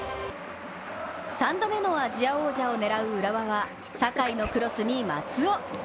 ３度目のアジア王者を狙う浦和は酒井のクロスに松尾。